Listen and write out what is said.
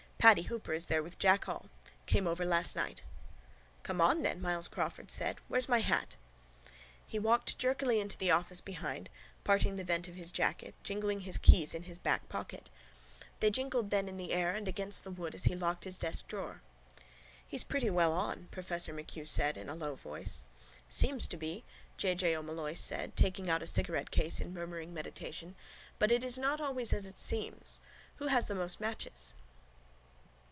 Paddy Hooper is there with Jack Hall. Came over last night. —Come on then, Myles Crawford said. Where's my hat? He walked jerkily into the office behind, parting the vent of his jacket, jingling his keys in his back pocket. They jingled then in the air and against the wood as he locked his desk drawer. —He's pretty well on, professor MacHugh said in a low voice. —Seems to be, J. J. O'Molloy said, taking out a cigarettecase in murmuring meditation, but it is not always as it seems. Who has the most matches?